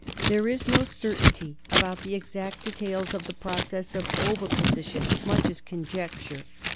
There is no certainty about the exact details of the process of oviposition ; much is conjecture.